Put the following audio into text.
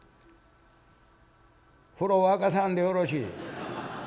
「風呂沸かさんでよろしい」。